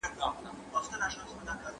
زه به سبا پر وخت درته زنګ ووهم.